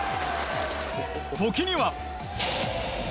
時には。